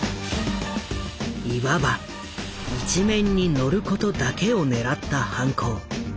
いわば「一面にのること」だけを狙った犯行。